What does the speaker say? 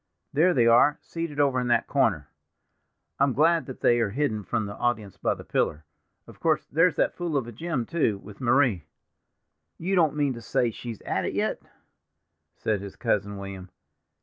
There they are, seated over in that corner. I'm glad that they are hidden from the audience by the pillar. Of course, there's that fool of a Jim, too, with Marie." "You don't mean to say she's at it yet?" said his cousin William.